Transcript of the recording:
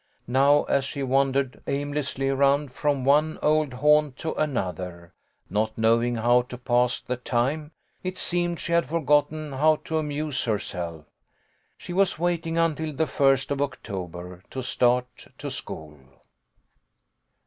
Now as she wandered aimlessly around from one old haunt to another, not knowing how to pass the time, it seemed she had forgotten how to amuse herself. She was waiting until the first of October to start to school.